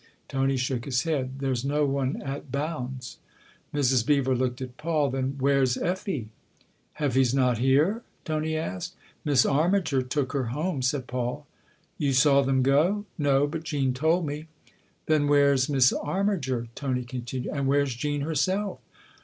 Tony shook his head. " There's no one at Bounds." Mrs. Beever looked at Paul. "Then where's Effie ?"" Effie's not here ?" Tony asked. " Miss Armiger took her home," said Paul. " You saw them go ?"" No, but Jean told me." " Then where's Miss Armiger ?" Tony continued. " And where's Jean herself?